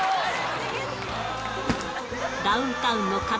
ダウンタウンのかた